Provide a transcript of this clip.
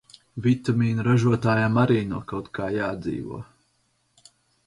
Vitamīnu ražotājiem arī no kaut kā jādzīvo...